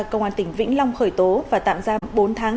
công an tỉnh vĩnh long khởi tố và tạm giam bốn tháng